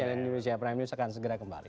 cnn indonesia prime news akan segera kembali